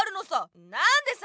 なんでさ！